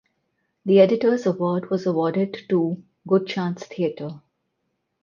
The Editor’s Award was awarded to Good Chance Theatre.